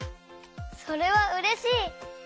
それはうれしい！